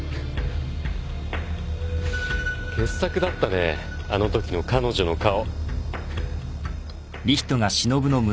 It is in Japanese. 傑作だったねあのときの彼女の顔。